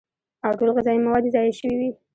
او ټول غذائي مواد ئې ضايع شوي وي